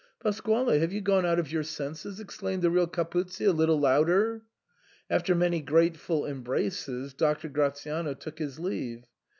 "Pasquale, have you gone out of your senses?" exclaimed the real Capuzzi a little louder. After many grateful embraces Doctor Gratiano took his leave.